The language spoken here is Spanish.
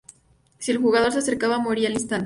Si el jugador se acercaba, moría al instante.